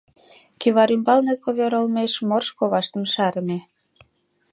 Кӱвар ӱмбалне ковёр олмеш морж коваштым шарыме.